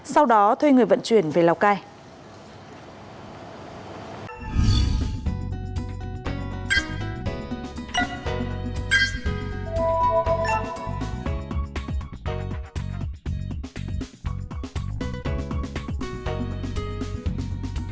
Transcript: sau đó thuê người vận chuyển về lào cai